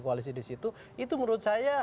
koalisi disitu itu menurut saya